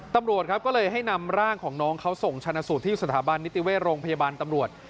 ตำรวจครับก็เลยให้นำร่างของน้องเขาส่งชนะสูตรที่สถาบันนิติเวชโรงพยาบาลตำรวจ